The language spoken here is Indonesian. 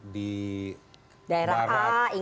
di daerah a ini a